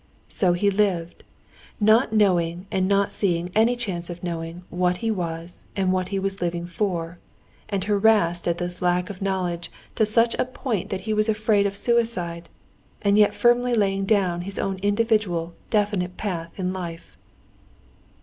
So he lived, not knowing and not seeing any chance of knowing what he was and what he was living for, and harassed at this lack of knowledge to such a point that he was afraid of suicide, and yet firmly laying down his own individual definite path in life.